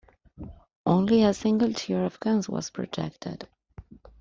Only a single tier of guns was projected.